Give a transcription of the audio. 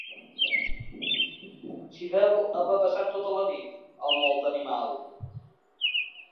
S'hi deu haver passat tota la nit, el molt animal.